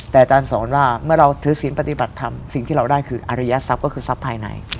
แต่อาจารย์สอนว่าเมื่อเราถือศีลปฏิบัติธรรมสิ่งที่เราได้คืออริยทรัพย์ก็คือทรัพย์ภายใน